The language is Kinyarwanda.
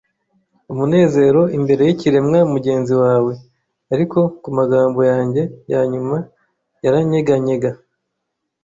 umunezero imbere yikiremwa mugenzi wawe. Ariko ku magambo yanjye yanyuma yaranyeganyega